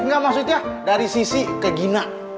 enggak maksudnya dari sisi ke gina